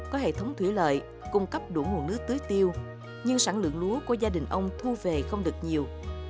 có hệ thống thủy lợi cung cấp đủ nguồn nước tưới tiêu nhưng sản lượng lúa của gia đình ông thu về không được nhiều